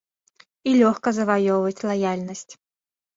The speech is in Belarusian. І лёгка заваёўваць лаяльнасць.